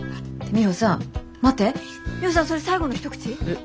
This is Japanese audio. ミホさんそれ最後の一口？え？